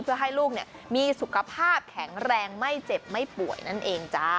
เพื่อให้ลูกมีสุขภาพแข็งแรงไม่เจ็บไม่ป่วยนั่นเองจ้า